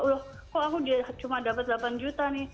loh kok aku cuma dapat delapan juta nih